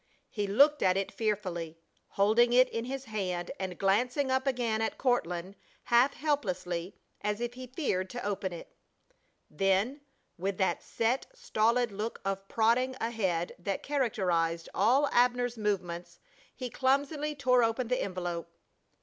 He looked at it fearfully, holding it in his hand and glancing up again at Courtland half helplessly, as if he feared to open it. Then, with that set, stolid look of prodding ahead that characterized all Abner's movements he clumsily tore open the envelope.